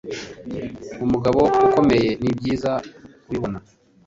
Umugabo ukomeye ni byiza kubibona